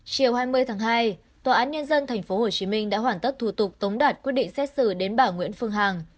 chiều hai mươi tháng hai tòa án nhân dân tp hcm đã hoàn tất thủ tục tống đạt quyết định xét xử đến bà nguyễn phương hằng